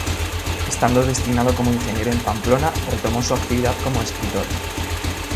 Estando destinado como ingeniero en Pamplona retomó su actividad como escritor.